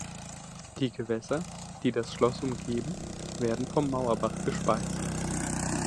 Die Gewässer, die das Schloss umgeben, werden vom Mauerbach gespeist.